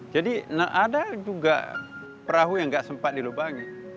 jadi ada juga perahu yang gak sempat dilubangi